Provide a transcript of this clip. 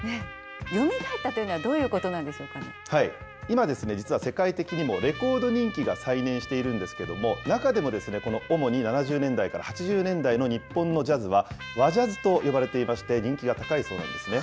よみがえったとは、今ですね、実は世界的にもレコード人気が再燃しているんですけれども、中でも、この主に７０年代から８０年代の日本のジャズは、和ジャズと呼ばれていまして、人気が高いそうなんですね。